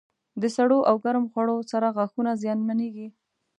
د سړو او ګرم خوړو سره غاښونه زیانمنېږي.